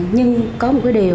nhưng có một điều